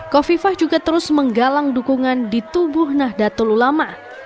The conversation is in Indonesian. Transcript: kofifah juga terus menggalang dukungan di tubuh nahdlatul ulama